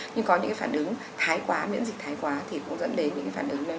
nhưng có những cái phản ứng thái quá miễn dịch thái quá thì cũng dẫn đến những cái phản ứng này